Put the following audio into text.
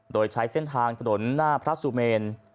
โดยใช้เส้นทางถนนหน้าพระสุเมน